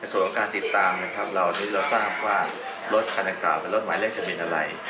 ส่วนของการติดตามเราที่จับว่าลดฮันกราวรถหวายเลียกจะมาอยู่ระหลาย